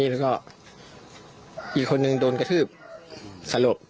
แล้วก็อีกคนนึงโดนกระทืบสลบ